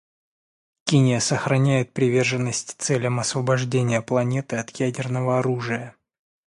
Кения сохраняет приверженность целям освобождения планеты от ядерного оружия.